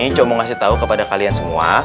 cuma mau ngasih tau kepada kalian semua